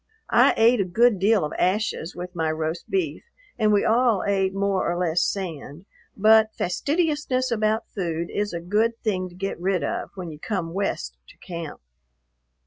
I ate a good deal of ashes with my roast beef and we all ate more or less sand, but fastidiousness about food is a good thing to get rid of when you come West to camp.